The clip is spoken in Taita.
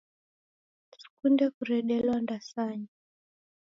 Sikunde kuredelwa ndasanya.